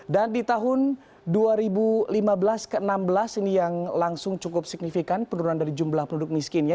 dan di tahun dua ribu lima belas ke dua ribu enam belas ini yang langsung cukup signifikan penurunan dari jumlah penduduk miskinnya